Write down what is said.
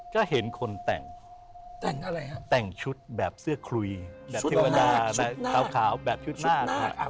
ก็เห็นคนแต่งแต่งชุดแบบเสื้อคุยแบบเทวดาแบบชุดหน้าชุดขาวแบบชุดหน้าครับ